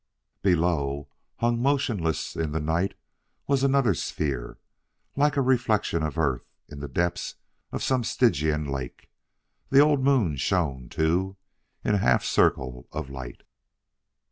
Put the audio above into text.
Below, hung motionless in the night, was another sphere. Like a reflection of Earth in the depths of some Stygian lake, the old moon shone, too, in a half circle of light.